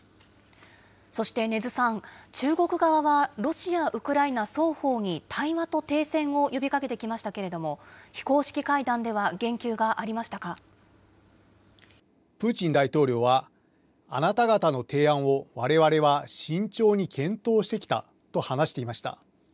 そして、禰津さん、中国側はロシア、ウクライナ双方に対話と停戦を呼びかけてきましたけれども、非公プーチン大統領は、あなた方の提案をわれわれは慎重に検討してきたと話していました。